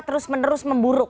terus menerus memburuk